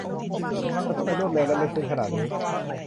ทำไมถึงรวดเร็ว และ ลึกซึ้งขนาดนี้ !